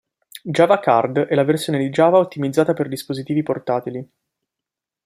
Java Card è la versione di Java ottimizzata per dispositivi portatili.